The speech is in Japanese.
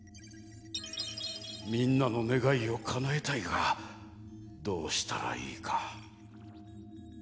みんなのねがいをかなえたいがどうしたらいいか。